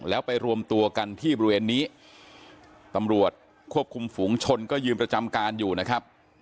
แล้วไปรวมตัวกันที่บริเวณนี้ตำรวจควบคุมฝุงชนก็ยืนประจำการอยู่นะครับ